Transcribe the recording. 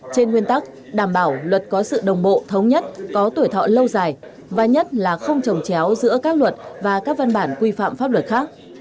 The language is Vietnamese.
trên nguyên tắc đảm bảo luật có sự đồng bộ thống nhất có tuổi thọ lâu dài và nhất là không trồng chéo giữa các luật và các văn bản quy phạm pháp luật khác